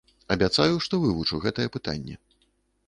Абяцаю, што вывучу гэтае пытанне.